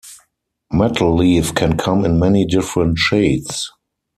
Metal leaf can come in many different shades.